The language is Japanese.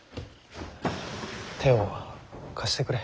手を貸してくれ。